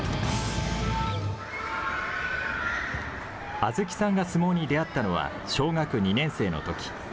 亜豆紀さんが相撲に出会ったのは、小学２年生のとき。